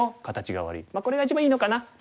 まあこれが一番いいのかな。